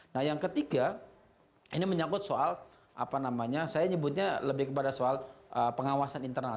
nah yang ketiga ini menyangkut soal apa namanya saya nyebutnya lebih kepada soal pengawasan internal